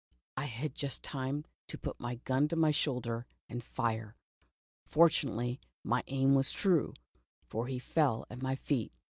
I had just time to put my gun to my shoulder and Jif^e. Fortunately, my aim was true, for he fell at my feet.